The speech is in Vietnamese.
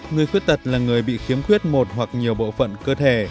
người khuyết tật là người bị khiếm khuyết một hoặc nhiều bộ phận cơ thể